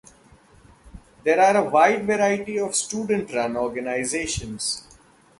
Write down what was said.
There are a wide variety of student-run organizations.